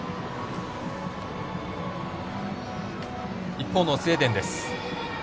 一方のスウェーデンです。